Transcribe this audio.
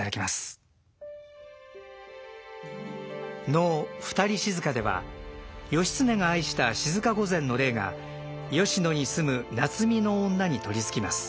能「二人静」では義経が愛した静御前の霊が吉野に住む菜摘みの女に取りつきます。